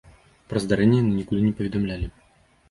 Пра здарэнне яны нікуды не паведамлялі.